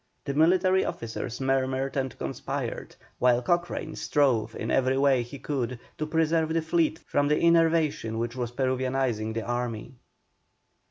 The military officers murmured and conspired, while Cochrane strove in every way he could to preserve the fleet from the enervation which was Peruvianising the army.